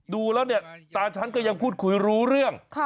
ดูแล้วตาชั้นก็ยังพูดคุยรู้เรื่อง